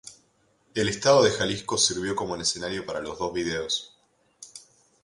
El estado de Jalisco sirvió como el escenario para los dos videos.